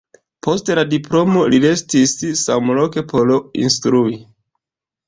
Post la diplomo li restis samloke por instrui.